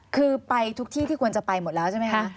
คือไปทุกที่ที่ควรจะไปหมดแล้วใช่ไหมคะ